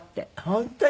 本当に？